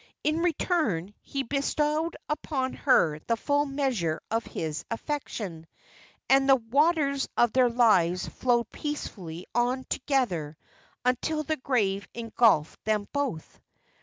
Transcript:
In return he bestowed upon her the full measure of his affection, and the waters of their lives flowed peacefully on together until the grave engulfed them both.